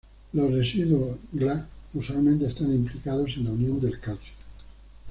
Los residuos Gla usualmente están implicados en la unión del calcio.